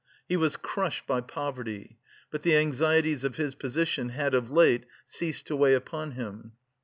He was crushed by poverty, but the anxieties of his position had of late ceased to weigh upon him.